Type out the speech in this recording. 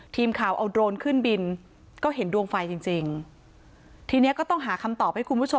ทีมข่าวเอาโดรนขึ้นบินก็เห็นดวงไฟจริงจริงทีเนี้ยก็ต้องหาคำตอบให้คุณผู้ชม